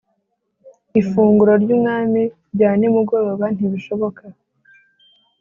ifunguro ry Umwami rya nimugoroba ntibishoboka